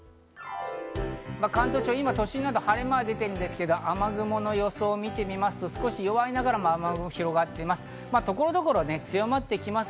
関東地方は今、都心などで晴れ間が出ていますが、雨雲の様子を見てみますと弱いながらも雨雲が広がっています。